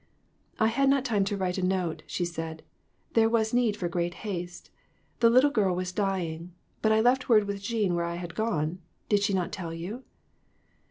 "I had not time to write a note," she said; "there was need for great haste. The little girl was dying ; but I left word with Jean where I had gone. Did she not tell you